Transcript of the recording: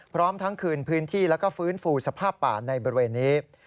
พร้อมทั้งคืนพื้นที่แล้วก็ฟื้นฟูสภาพป่าในบริเวณนี้